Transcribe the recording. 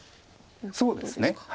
そうですね。